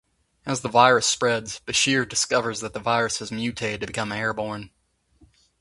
As the virus spreads, Bashir discovers that the virus has mutated to become airborne.